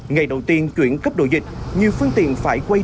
ngày đầu tiên chuyển cấp độ dịch nhiều phương tiện phải quay đổi